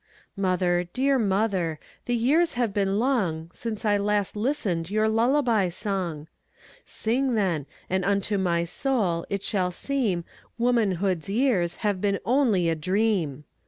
Mother, dear mother, the years have been longSince I last listened your lullaby song:Sing, then, and unto my soul it shall seemWomanhood's years have been only a dream.